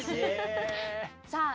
さあ